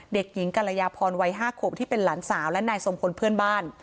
เด็กหญิงกรยาพรวัย๕ขวบที่เป็นหลานสาวและนายทรงพลเพื่อนบ้าน